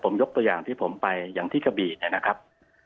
ผมยกตัวอย่างที่ผมไปอย่างที่กะบี่เนี่ยนะครับ